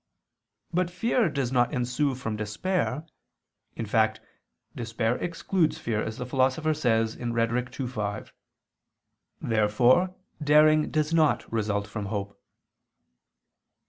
But fear does not ensue from despair: in fact, despair excludes fear, as the Philosopher says (Rhet. ii, 5). Therefore daring does not result from hope.